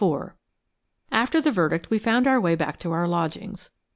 4 AFTER the verdict we found our way back to our lodgings.